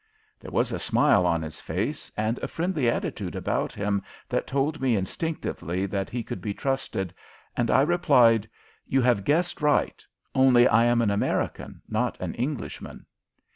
There was a smile on his face and a friendly attitude about him that told me instinctively that he could be trusted, and I replied, "You have guessed right only I am an American, not an Englishman."